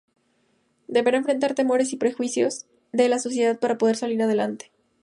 Deberá enfrentar temores y prejuicios de la sociedad para poder salir adelante.